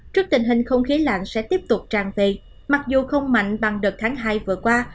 trước tình hình không khí lạnh sẽ tiếp tục tràn về mặc dù không mạnh bằng đợt tháng hai vừa qua